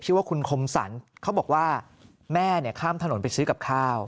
ชื่อว่าคุณคมสรรเขาบอกว่าแม่เนี่ยข้ามถนนไปซื้อกับข้าว